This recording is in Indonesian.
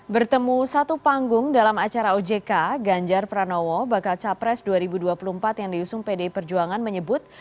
bertemu satu panggung dalam acara ojk ganjar pranowo bakal capres dua ribu dua puluh empat yang diusung pdi perjuangan menyebut